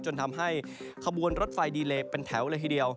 จนทำให้ขบวนรถไฟดีเลเป็นแถวเลยทีเดียว